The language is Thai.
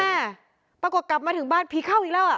ปรากฏกลับมาถึงบ้านผีเข้าอีกแล้วอ่ะ